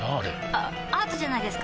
あアートじゃないですか？